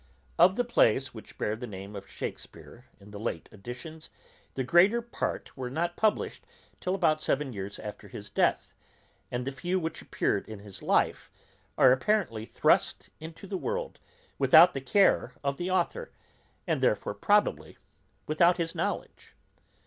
Of the plays which bear the name of Shakespeare in the late editions, the greater part were not published till about seven years after his death, and the few which appeared in his life are apparently thrust into the world without the care of the authour, and therefore probably without his knowledge.